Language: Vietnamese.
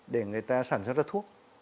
để người ta sản xuất ra thuốc